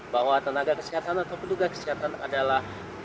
bahwa tenaga kesehatan atau penduga kesehatan adalah